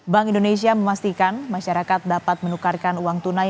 bank indonesia memastikan masyarakat dapat menukarkan uang tunai